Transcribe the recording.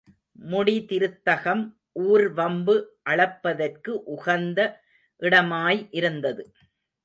முடிதிருத்தகம் ஊர் வம்பு அளப்பதற்கு உகந்த இடமாய் இருந்தது.